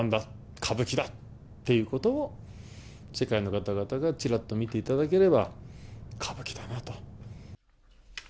歌舞伎だっていうことを、世界の方々がちらっと見ていただければ、歌舞伎だなと。